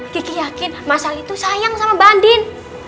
kiki yakin mas al itu sayang sama bandin